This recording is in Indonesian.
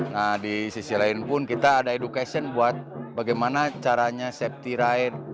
nah di sisi lain pun kita ada education buat bagaimana caranya safety ride